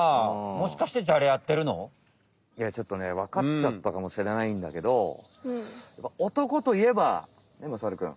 いやちょっとねわかっちゃったかもしれないんだけどねっまさるくん。